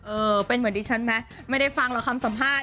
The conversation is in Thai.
เอ่อเป็นเหมือนดิฉันมั้ยไม่ได้ฟังคำสัมภาษณ์